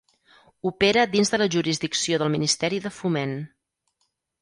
Opera dins de la jurisdicció del Ministeri de Foment.